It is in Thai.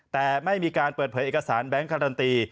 แต่ไม่มีการเปิดเผยเอกสารแบงค์การันตี